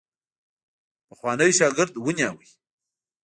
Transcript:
پخوانی شاګرد ونیوی.